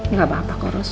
nggak apa apa karis